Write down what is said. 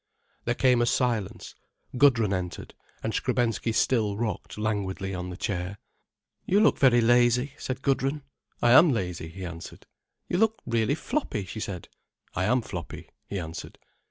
There came a silence. Gudrun entered, and Skrebensky still rocked languidly on the chair. "You look very lazy," said Gudrun. "I am lazy," he answered. "You look really floppy," she said. "I am floppy," he answered.